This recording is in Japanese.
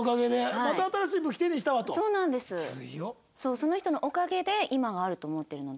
その人のおかげで今があると思ってるので。